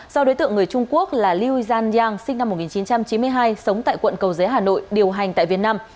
do đối tượng người trung quốc là liu zhanyang sinh năm một nghìn chín trăm chín mươi hai sống tại quận cầu giới hà nội điều hành tại việt nam